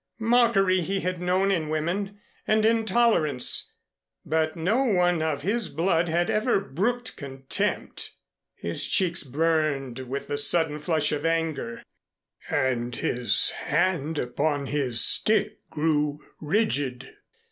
Mockery he had known in women, and intolerance, but no one of his blood had ever brooked contempt. His cheeks burned with the sudden flush of anger and his hand upon his stick grew rigid.